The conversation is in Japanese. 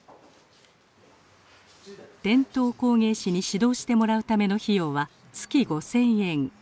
伝統工芸士に指導してもらうための費用は月５，０００円。